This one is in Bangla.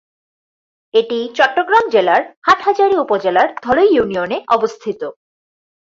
এটি চট্টগ্রাম জেলার হাটহাজারী উপজেলার ধলই ইউনিয়নে অবস্থিত।